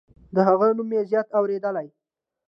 د هغه نوم مې زیات اوریدلی